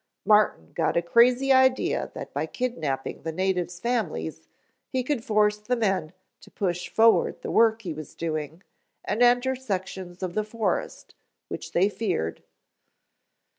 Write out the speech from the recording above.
"Martin got a crazy idea that by kidnaping the natives' families he could force the men to push forward the work he was doing and enter sections of the forest which they feared."